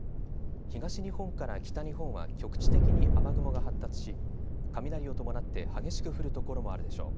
東日本から北日本は局地的に雨雲が発達し雷を伴って激しく降る所もあるでしょう。